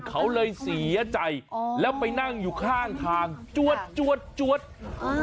เขาเลยเสียใจอ๋อแล้วไปนั่งอยู่ข้างทางจวดจวดจวดเออ